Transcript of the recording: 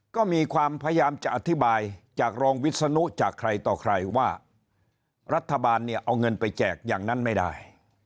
ก็มีความพยายามจะอธิบายจากรองวิศนุจากใครต่อใครว่ารัฐบาลเนี่ยเอาเงินไปแจกอย่างนั้นไม่ได้